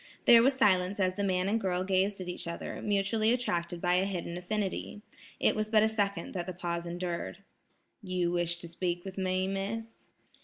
There was silence as the man and girl gazed at each other, mutually attracted by a hidden affinity. It was but a second that the pause endured. "You wish to speak with me, Miss?"